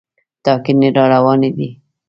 ټاکنې راروانې دي.